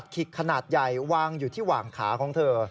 ขิกขนาดใหญ่วางอยู่ที่หว่างขาของเธอ